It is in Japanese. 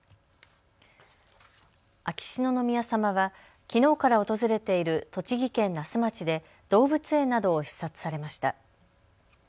秋篠宮さまは、きのうから訪れている栃木県那須町で動物園などを視察されました。